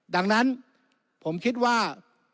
ดังนั้นผมคิดว่า